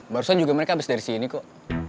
barusan juga mereka habis dari sini kok